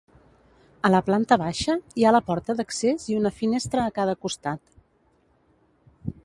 A la planta baixa hi ha la porta d’accés i una finestra a cada costat.